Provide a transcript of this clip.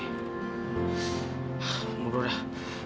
ah mudah udah